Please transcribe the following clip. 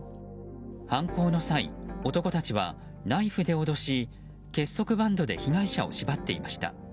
犯行の際、男たちはナイフで脅し結束バンドで被害者を縛っていました。